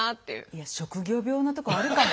いや職業病なとこあるかも。